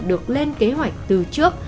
được lên kế hoạch từ trước